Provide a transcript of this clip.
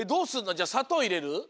じゃあさとういれる？